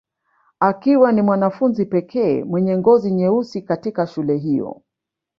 Akiwa ni mwanafunzi pekee mwenye ngozi nyeusi katika shule hiyo